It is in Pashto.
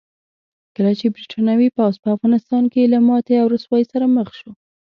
کله چې برتانوي پوځ په افغانستان کې له ماتې او رسوایۍ سره مخ شو.